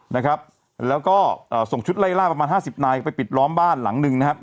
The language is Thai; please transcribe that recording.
นะครับแล้วก็เอ่อส่งชุดไล่ล่าประมาณห้าสิบนายไปปิดล้อมบ้านหลังหนึ่งนะครับ